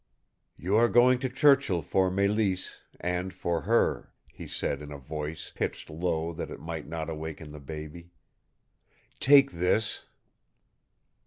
"You are going to Churchill for Mélisse and for HER" he said in a voice pitched low that it might not awaken the baby. "Take this."